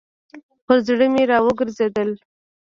پر زړه مي راوګرځېدل .